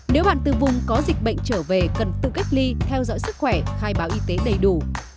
nếu bạn từ vùng có dịch bệnh trở về cần tự cách ly theo dõi sức khỏe khai báo y tế đầy đủ